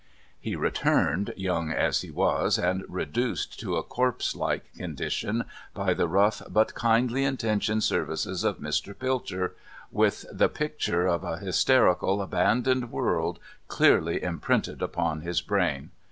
He returned, young as he was, and reduced to a corpse like condition by the rough but kindly intentioned services of Mr. Pilter, with the picture of a hysterical, abandoned world clearly imprinted upon his brain.